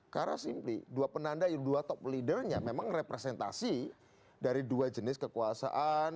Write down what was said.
karena simply dua penanda dua top leadernya memang representasi dari dua jenis kekuasaan